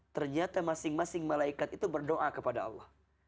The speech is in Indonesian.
ternyata masing masing malaikat itu berdoa kepada allah